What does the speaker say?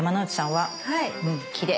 はい！